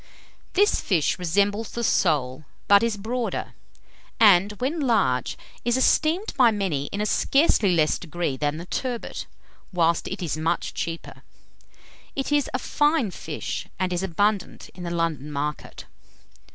This fish resembles the sole, but is broader, and when large, is esteemed by many in a scarcely less degree than the turbot, whilst it is much cheaper. It is a fine fish, and is abundant in the London market.